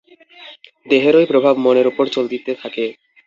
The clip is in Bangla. দেহেরই প্রভাব মনের উপর চলিতে থাকে।